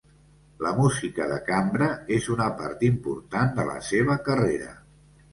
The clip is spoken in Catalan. La música de cambra és una part important de la seva carrera.